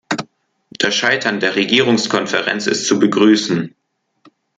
Das Scheitern der Regierungskonferenz ist zu begrüßen.